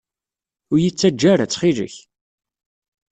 Ur iyi-ttaǧǧa ara, ttxil-k!